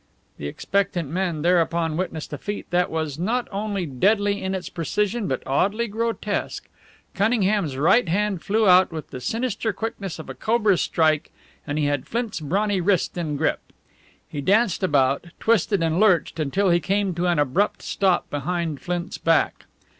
The expectant men thereupon witnessed a feat that was not only deadly in its precision but oddly grotesque. Cunningham's right hand flew out with the sinister quickness of a cobra's strike, and he had Flint's brawny wrist in grip. He danced about, twisted and lurched until he came to an abrupt stop behind Flint's back.